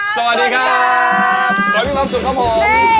กลัวให้มันรอบสุขครับผม